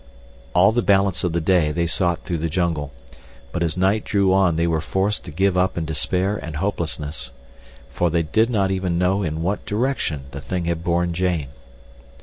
All the balance of the day they sought through the jungle; but as night drew on they were forced to give up in despair and hopelessness, for they did not even know in what direction the thing had borne Jane.